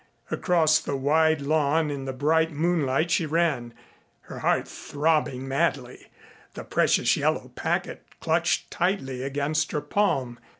Across the wide lawn in the bright moonlight she ran, her heart throbbing madly, the precious yellow packet clutched tightly against her palm.